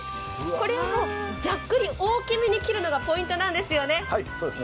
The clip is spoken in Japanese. これはざっくり大きめに切るのがポイントなんですよね。